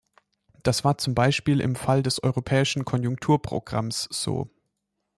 Das war zum Beispiel im Fall des Europäischen Konjunkturprogramms so.